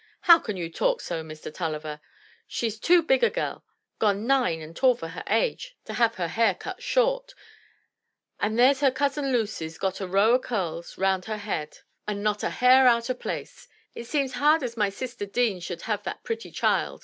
"How can you talk so, Mr. Tulliver? She's too big a gell — gone nine and tall of her age — to have her hair cut short; an' there's her cousin Lucy's got a row o' curls round her head, an' not 214 THE TREASURE CHEST a hair out o* place. It seems hard as my sister Deane should have that pretty child.